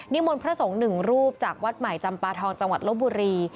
มนต์พระสงฆ์หนึ่งรูปจากวัดใหม่จำปาทองจังหวัดลบบุรี